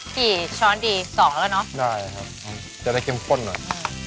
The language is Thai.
กี่ช้อนดีสองแล้วเนอะได้ครับจะได้เข้มข้นหน่อย